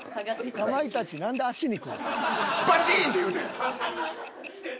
［かまいたち何で足にくるん？］